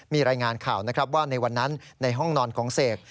มีรายงานข่าวนะครับว่าในวันนั้นในห้องนอนของเสก